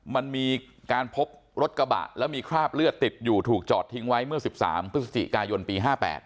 มันมีการพบรถกระบะแล้วมีคราบเลือดติดอยู่ถูกจอดทิ้งไว้เมื่อ๑๓พฤศจิกายนปี๕๘